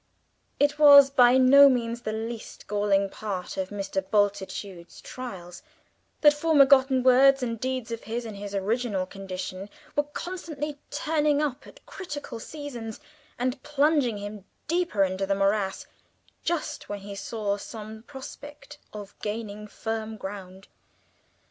It was by no means the least galling part of Mr. Bultitude's trials, that former forgotten words and deeds of his in his original condition were constantly turning up at critical seasons, and plunging him deeper into the morass just when he saw some prospect of gaining firm ground.